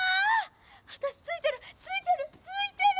私ついてるついてるついてる！